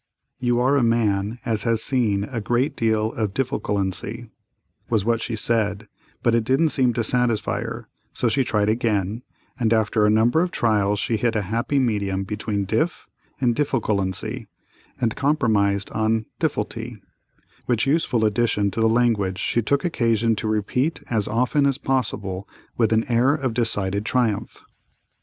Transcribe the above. "You are a man as has seen a great deal of diffleculency," was what she said, but it didn't seem to satisfy her, so she tried again, and after a number of trials she hit a happy medium between "dif" and "diffleculency" and compromised on "difflety," which useful addition to the language she took occasion to repeat as often as possible with an air of decided triumph.